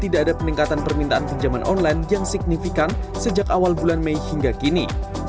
tidak ada peningkatan permintaan pinjaman online yang signifikan sejak awal bulan mei hingga kini